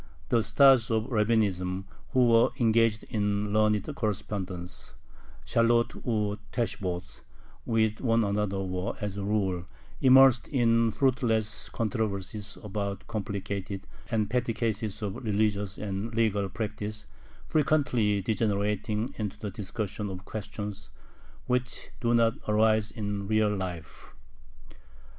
The "stars" of Rabbinism who were engaged in learned correspondence (Shaaloth u Teshuboth) with one another were, as a rule, immersed in fruitless controversies about complicated and petty cases of religious and legal practice, frequently degenerating into the discussion of questions which do not arise in real life.